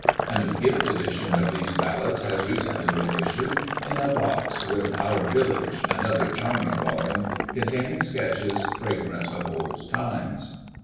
A new gift edition of these Ballads has recently been issued, in a box with "Our Village," another charming volume containing sketches fragrant of old times.